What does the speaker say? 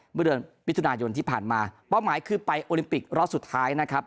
เมื่อเดือนมิถุนายนที่ผ่านมาเป้าหมายคือไปโอลิมปิกรอบสุดท้ายนะครับ